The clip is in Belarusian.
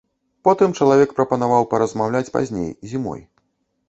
Потым чалавек прапанаваў паразмаўляць пазней, зімой.